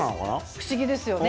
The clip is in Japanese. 不思議ですよね？